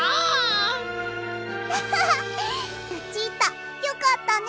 アハハッルチータよかったね。